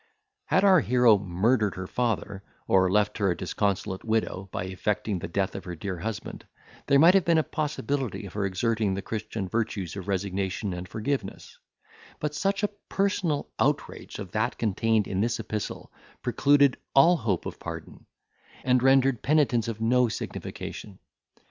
Had our hero murdered her father, or left her a disconsolate widow, by effecting the death of her dear husband, there might have been a possibility of her exerting the Christian virtues of resignation and forgiveness; but such a personal outrage as that contained in this epistle precluded all hope of pardon, and rendered penitence of no signification.